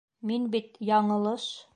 Мин бит... яңылыш.